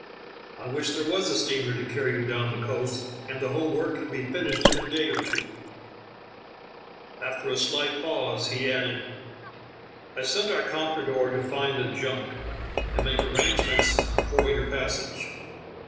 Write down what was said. I wish there was a steamer to carry you down the coast, and the whole work could be finished in a day or two." After a slight pause he added : "I sent our com prador to find a junk, and make arrangements for your passage.